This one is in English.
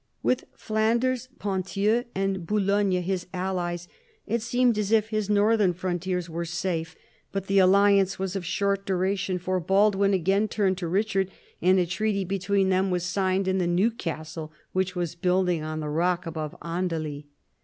With Flanders, Ponthieu, and Boulogne his allies, it seemed as if his northern frontiers were safe : but the alliance was of short duration, for Baldwin again turned to Eichard, and a treaty between them was signed in the new castle which was building on the rock above Andely.